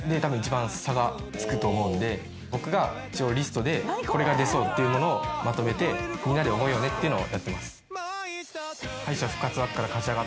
僕がリストでこれが出そうっていうものをまとめてみんなで覚えようねっていうのをやってます。